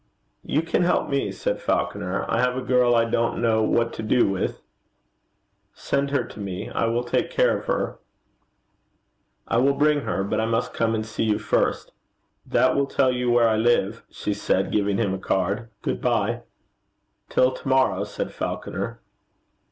'You can help me,' said Falconer. 'I have a girl I don't know what to do with.' 'Send her to me. I will take care of her.' 'I will bring her. But I must come and see you first.' 'That will tell you where I live,' she said, giving him a card. Good bye.' 'Till to morrow,' said Falconer.